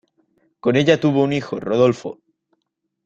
Con ella tuvo un hijo, Rodolfo.